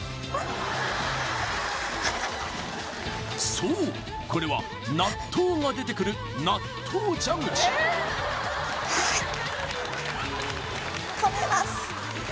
そうこれは納豆が出てくる納豆蛇口止めます